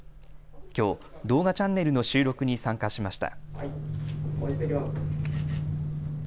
きょう、動画チャンネルの収録に参加しました。